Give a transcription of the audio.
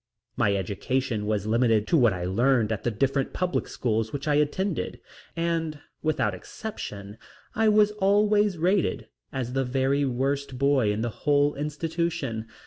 My education was limited to what I learned at the different public schools which I attended, and without exception I was always rated as the very worst boy of the whole institution.